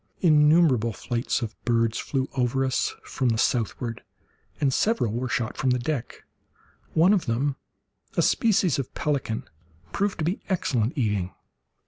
Innumerable flights of birds flew over us from the southward, and several were shot from the deck, one of them, a species of pelican, proved to be excellent eating.